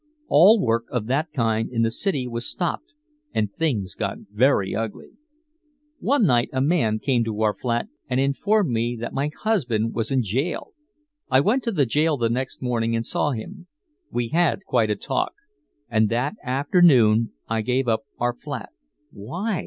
All work of that kind in the city was stopped and things got very ugly. One night a man came to our flat and informed me that my husband was in jail. I went to the jail the next morning and saw him. We had quite a talk. And that afternoon I gave up our flat." "Why?"